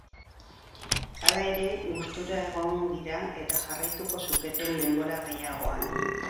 Hala ere, gustura egon dira eta jarraituko zuketen denbora gehiagoan.